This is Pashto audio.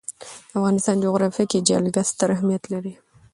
د افغانستان جغرافیه کې جلګه ستر اهمیت لري.